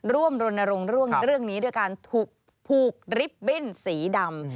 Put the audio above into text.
รณรงค์เรื่องนี้ด้วยการถูกผูกริบบิ้นสีดำ